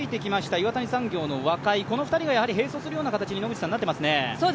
岩谷産業の若井、この２人が並走するような形になっていますね。